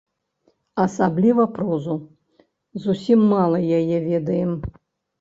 Асабліва прозу, зусім мала яе ведаем.